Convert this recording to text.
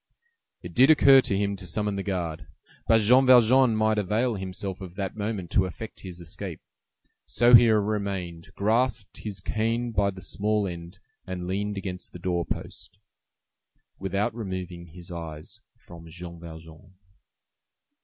It did occur to him to summon the guard, but Jean Valjean might avail himself of that moment to effect his escape; so he remained, grasped his cane by the small end, and leaned against the door post, without removing his eyes from Jean Valjean.